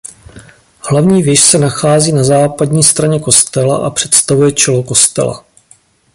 Hlavní věž se nachází na západní straně kostela a představuje čelo kostela.